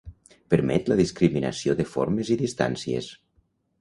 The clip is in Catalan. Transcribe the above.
Permet la discriminació de formes i distàncies.